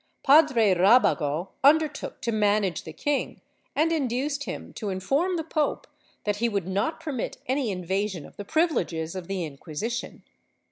Padre Rabago undertook to manage the king and induced him to inform the pope that he would not permit any invasion of the privileges of the Inquisition.